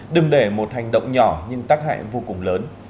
đừng để một hành động nhỏ